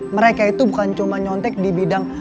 mereka itu bukan cuma nyontek di bidang